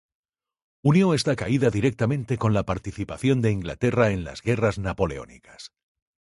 Unió esta caída directamente con la participación de Inglaterra en las Guerras Napoleónicas.